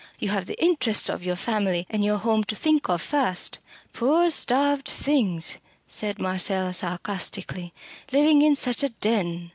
You have the interests of your family and your home to think of first." "Poor starved things!" said Marcella sarcastically "living in such a den!"